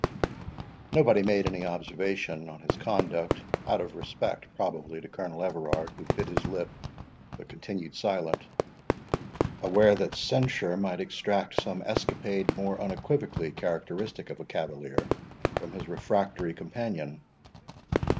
Nobody made any observation on his conduct, out of respect, probably, to Colonel Everard, who bit his lip, but continued silent; aware that censure might extract some escapade more unequivocally characteristic of a cavalier, from his refractory companion.